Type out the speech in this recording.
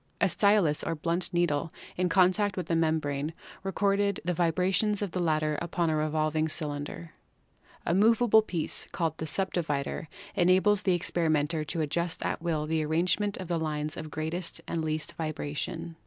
A stylus or blunt needle in con tact with the membrane recorded the vibrations of the latter upon a revolving cylinder. A movable piece, called the subdivider, enables the experimenter to adjust at will the arrangement of the lines of greatest and least vibra 124 PHYSICS tion.